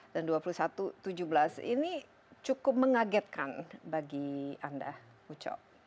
dua puluh satu dua belas dan dua puluh satu tujuh belas ini cukup mengagetkan bagi anda uco